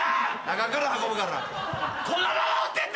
中から運ぶからな。